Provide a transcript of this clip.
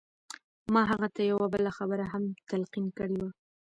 ما هغه ته يوه بله خبره هم تلقين کړې وه.